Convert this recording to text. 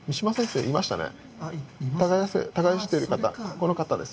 この方です。